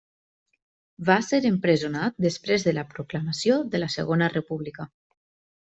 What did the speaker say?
Va ser empresonat després de la proclamació de la Segona República.